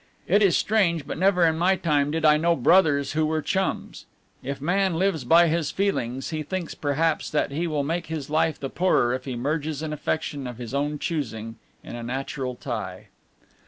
It is strange, but never in my time did I know brothers who were chums. If man lives by his feelings, he thinks perhaps that he will make his life the poorer if he merges an affection of his own choosing in a natural tie.